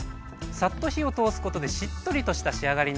サッと火を通すことでしっとりとした仕上がりになります。